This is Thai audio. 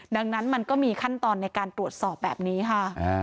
ดังนั้นมันก็มีขั้นตอนในการตรวจสอบแบบนี้ค่ะ